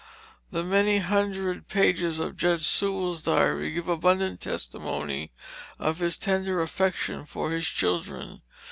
The many hundred pages of Judge Sewall's diary give abundant testimony of his tender affection for his children.